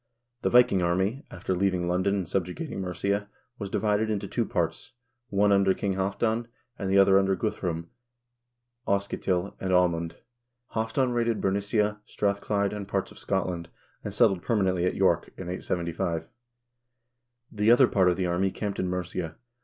The Viking army, after leaving London and subjugating Mercia, was divided into two parts, one under King Halvdan, and the other under Guthrum, Aasketil, and Aamund. Halvdan raided Bernicia, Strathclyde, and parts of Scotland, and settled permanently at York, in 875. The other part of the army camped in Mercia.